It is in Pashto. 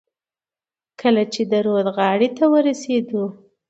کله چې د ورد غاړې ته ورسېدو.